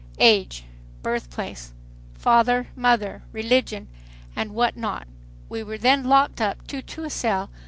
—Age—birthplace—father—mother—religion and what not?" We are then locked up,—two to a cell.